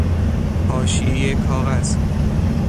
حاشیه کاغذ